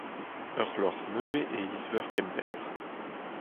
Ur c'hloc'h nevez e iliz-veur Kemper.